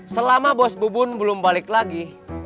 selama bos bubun belum balik lagi